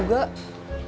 tunggu ini ya